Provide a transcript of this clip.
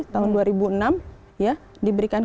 tahun dua ribu enam ya diberikan